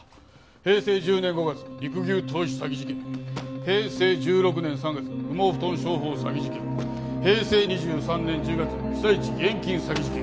「平成１０年５月肉牛投資詐欺事件」「平成１６年３月羽毛布団商法詐欺事件」「平成２３年１０月被災地義援金詐欺事件」